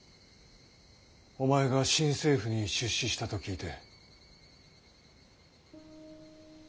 お前が新政府に出仕したと聞いて。